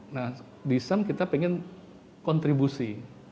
nah di sam kita ingin kontribusi